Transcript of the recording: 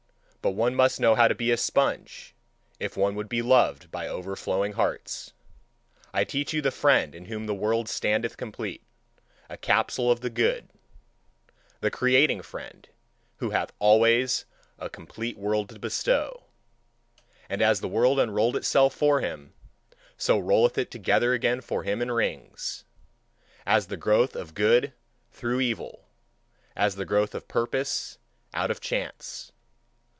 But one must know how to be a sponge, if one would be loved by overflowing hearts. I teach you the friend in whom the world standeth complete, a capsule of the good, the creating friend, who hath always a complete world to bestow. And as the world unrolled itself for him, so rolleth it together again for him in rings, as the growth of good through evil, as the growth of purpose out of chance.